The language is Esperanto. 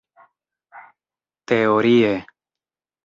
teorie